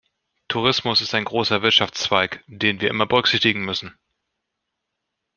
Tourismus ist ein großer Wirtschaftszweig, den wir immer berücksichtigen müssen.